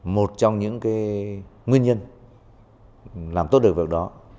một trong những nguyên nhân làm tốt được việc đó